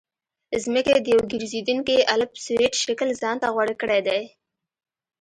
ځمکې د یو ګرځېدونکي الپسویډ شکل ځان ته غوره کړی دی